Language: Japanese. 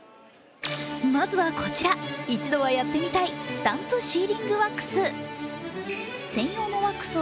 まずはこちら、一度はやってみたい、スタンプシーリングワックス。